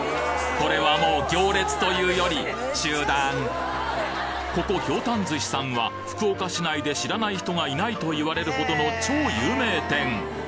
これはもう行列というより集団ここひょうたん寿司さんは福岡市内で知らない人がいないと言われるほどの超有名店！